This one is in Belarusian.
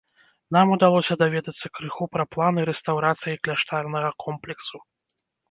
Нам удалося даведацца крыху пра планы рэстаўрацыі кляштарнага комплексу.